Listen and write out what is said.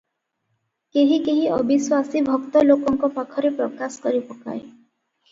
କେହି କେହି ଅବିଶ୍ୱାସୀ ଭକ୍ତ ଲୋକଙ୍କ ପାଖରେ ପ୍ରକାଶ କରି ପକାଏ ।